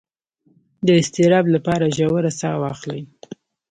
د اضطراب لپاره ژوره ساه واخلئ